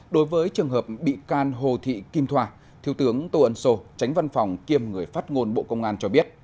đối với trường hợp bị can hồ thị kim thoa thiếu tướng tô ân sô tránh văn phòng kiêm người phát ngôn bộ công an cho biết